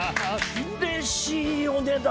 うれしいお値段ですね。